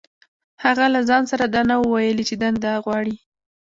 هغه له ځان سره دا نه وو ويلي چې دنده غواړي.